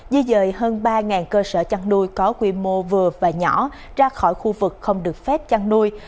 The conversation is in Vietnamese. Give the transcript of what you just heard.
di dời hơn ba cơ sở chăn nuôi có quy mô vừa và nhỏ ra khỏi khu vực không được phép chăn nuôi